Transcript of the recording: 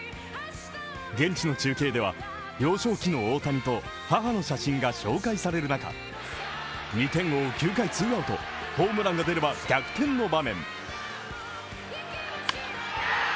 現地の中継では、幼少期の大谷と、母の写真が紹介される中、２点を追う９回ツーアウト、ホームランが出れば、逆転の場面。